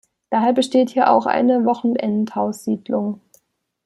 Daher besteht hier auch eine Wochenendhaussiedlung.